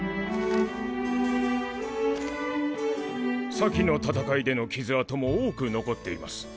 先の戦いでの傷跡も多く残っています。